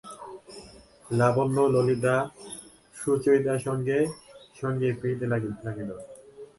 লাবণ্য ললিতা লীলা সুচরিতার সঙ্গে সঙ্গেই ফিরিতে লাগিল।